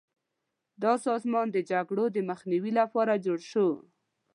دا سازمان د جګړو د مخنیوي لپاره جوړ شو.